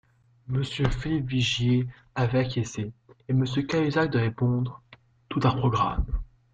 Monsieur Philippe Vigier avait acquiescé, et Monsieur Cahuzac de répondre :« Tout un programme ».